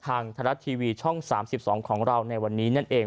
ทางไทยรัฐทีวีช่อง๓๒ของเราในวันนี้นั่นเอง